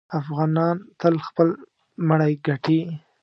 افغانان تل خپل مړی ګټي.